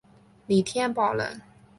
李添保人。